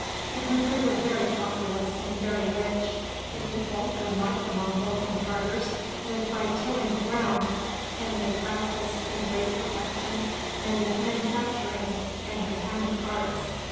The country was very populous and very rich. The people, unlike the Monguls and Tartars, lived by tilling the ground, and they practiced, in great perfection, many manufacturing and mechanic arts.